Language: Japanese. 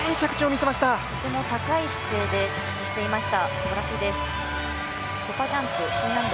とても高い姿勢で着地していましたすばらしいです。